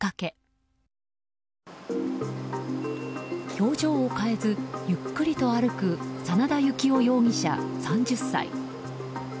表情を変えずゆっくりと歩く真田行男容疑者、３０歳。